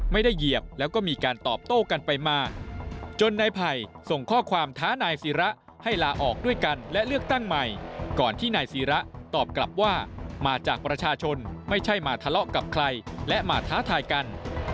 ไม่ใช่มาทะเลาะกับใครและมาท้าทายกัน